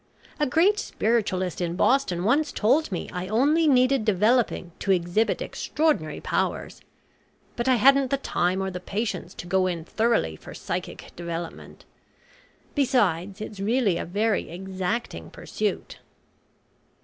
A great spiritualist in Boston once told me I only needed developing to exhibit extraordinary powers. But I hadn't the time or the patience to go in thoroughly for psychic development. Besides it's really a very exacting pursuit."